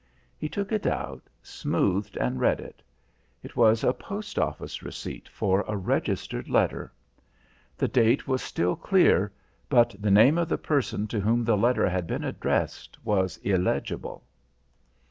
He took it out, smoothed and read it. It was a post office receipt for a registered letter. The date was still clear, but the name of the person to whom the letter had been addressed was illegible.